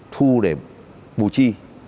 thu để bù chi